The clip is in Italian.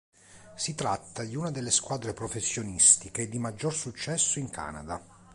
Si tratta di una delle squadre professionistiche di maggior successo in Canada.